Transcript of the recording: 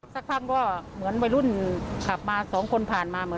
สักครั้งว่าเหมือนวัยรุ่นขับมา๒คนผ่านมา